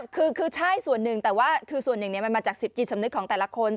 คือใช่ส่วนหนึ่งแต่ว่าคือส่วนหนึ่งมันมาจาก๑๐จิตสำนึกของแต่ละคน